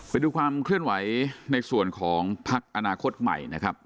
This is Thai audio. ไปดูความเคลื่อนไหวในส่วนของพักอนาคตใหม่นะครับ